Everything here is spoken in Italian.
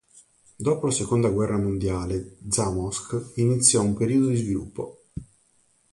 Dopo la seconda guerra mondiale Zamość iniziò un periodo di sviluppo.